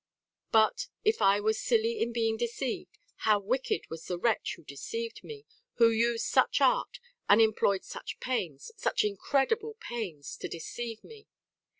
But, if I was silly in being deceived, how wicked was the wretch who deceived me who used such art, and employed such pains, such incredible pains, to deceive me!